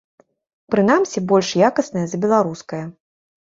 Прынамсі, больш якаснае за беларускае.